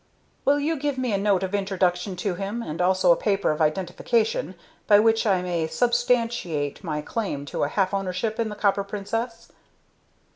"Will you give me a note of introduction to him, and also a paper of identification, by which I may substantiate my claim to a half ownership in the Copper Princess?"